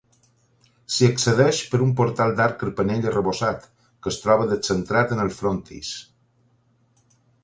S'hi accedeix per un portal d'arc carpanell arrebossat, que es troba descentrat en el frontis.